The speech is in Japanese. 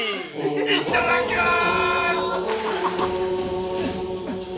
いっただっきます！